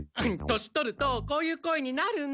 年取るとこういう声になるの。